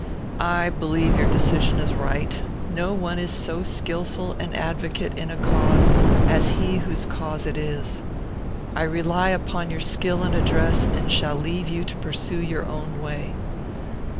"I believe your decision is right. No one is so skilful an advocate in a cause, as he whose cause it is. I rely upon your skill and address, and shall leave you to pursue your own way.